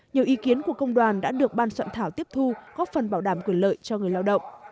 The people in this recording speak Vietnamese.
nhiều ý kiến của công đoàn đã được ban soạn thảo tiếp thu góp phần bảo đảm quyền lợi cho người lao động